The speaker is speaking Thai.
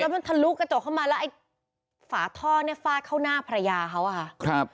แล้วมันทะลุกระจกเข้ามาแล้วไอ้ฝาท่อฟาดเข้าหน้าภรรยาเขา